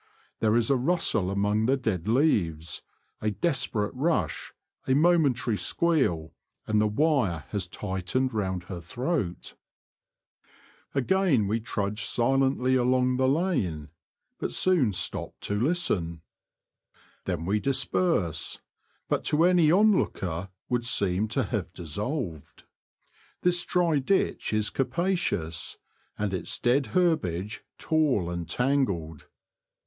There is a rustle among the dead leaves, a desperate rush, a momentary squeal — and the wire has tightened round her throat. 66 The Confessions of a T^oacher. Again we trudge silently along the lane, but soon stop to listen. Then we disperse, but to any on looker would seem to have dissolved. This dry ditch is capacious, and its dead herbage tall and tangled.